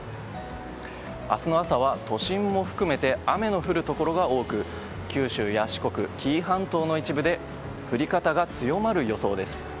明日の朝は、都心も含めて雨の降るところが多く九州や四国、紀伊半島の一部で降り方が強まる予想です。